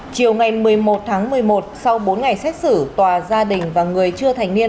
chiều ngày một mươi một tháng một mươi một sau bốn ngày xét xử tòa gia đình và người chưa thành niên